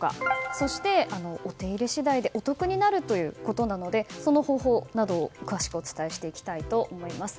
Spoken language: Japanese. そして、お手入れ次第でお得になるということなのでその方法などを詳しくお伝えしていきたいと思います。